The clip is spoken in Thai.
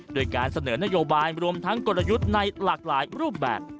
โดยการเสนอนโยบายรวมทั้งกลยุทธ์ในหลากหลายรูปแบบ